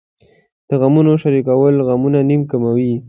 د غمونو شریکول غمونه نیم کموي .